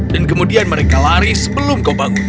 dan kemudian mereka lari sebelum kau bangun